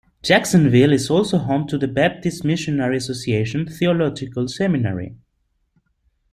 Jacksonville is also home to the Baptist Missionary Association Theological Seminary.